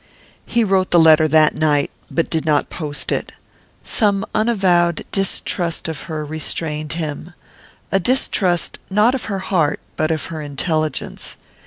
He wrote the letter that night, but did not post it. Some unavowed distrust of her restrained him a distrust not of her heart but of her intelligence.